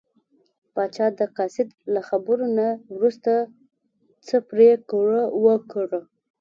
پاچا د قاصد له خبرو نه وروسته څه پرېکړه وکړه.